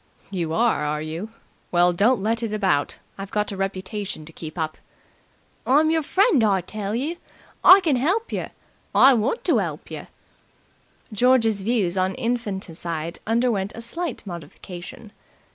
"You are, are you? Well, don't let it about. I've got a reputation to keep up." "I'm yer friend, I tell you. I can help yer. I want to help yer!" George's views on infanticide underwent a slight modification.